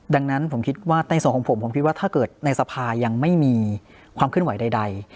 ดังนั้นผมคิดว่าในส่วนของผมผมคิดว่าถ้าเกิดในสภายังไม่มีความเคลื่อนไหวใด